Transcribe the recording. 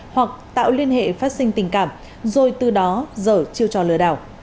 hoặc tạo liên hệ phát sinh tình cảm rồi từ đó dở chiêu trò lừa đảo